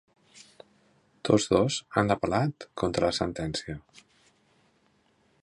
Tots dos han apel·lat contra la sentència.